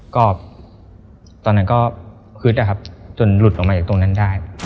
ก็ตอนนั้นก็ฮึดนะครับจนหลุดออกมาจากตรงนั้นได้